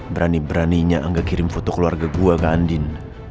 berani beraninya angga kirim foto keluarga gue ke andin